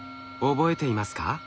覚えていますか？